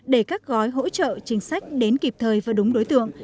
để các gói hỗ trợ chính sách đến kịp thời và đúng đối tượng